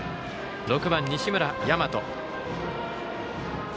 ６番、西村大和。